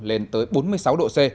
lên tới bốn mươi sáu độ c